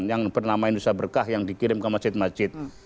yang bernama indonesia berkah yang dikirim ke masjid masjid